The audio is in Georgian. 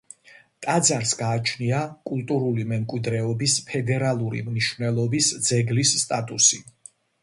ტაძარს გააჩნია კულტურული მემკვიდრეობის ფედერალური მნიშვნელობის ძეგლის სტატუსი.